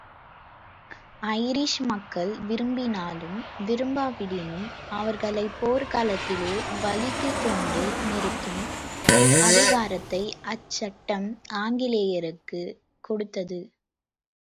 Irish மக்கள் விரும்பினாலும் விரும்பாவிடினும் அவர்களைப் போர்க்களத்திலே பலிக்குக் கொண்டு நிறுத்தும் அதிகாரத்தை அச்சட்டம் ஆங்கிலேயருக்கு கொடுத்தது.